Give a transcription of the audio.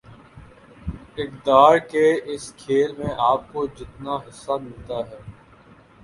اقتدار کے اس کھیل میں آپ کو جتنا حصہ ملتا ہے